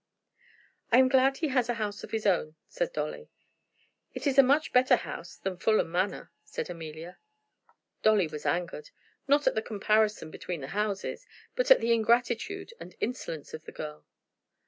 "I am glad he has a house of his own," said Dolly. "It is a much better house than Fulham Manor," said Amelia. Dolly was angered, not at the comparison between the houses, but at the ingratitude and insolence of the girl.